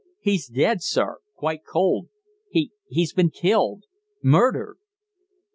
He's dead, sir, quite cold. He he's been killed murdered!"